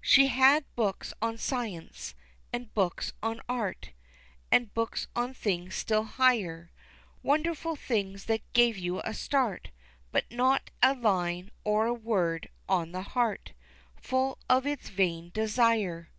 She had books on science, an' books on art, An' books on things still higher, Wonderful things that gave you a start, But not a line, or a word, on the heart Full of its vain desire.